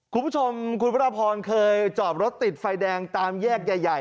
คุณผู้ชมคุณพระพรเคยจอบรถติดไฟแดงตามแยกใหญ่